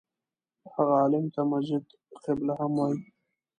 هغه عالم ته مسجد قبله هم وایي.